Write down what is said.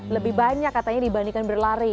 lebih banyak katanya dibandingkan berlari